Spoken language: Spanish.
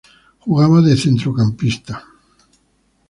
Jugaba de centrocampista.